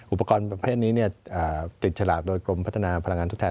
อุปกรณ์ประเภทนี้ติดฉลากโดยกรมพัฒนาพลังงานทดแทน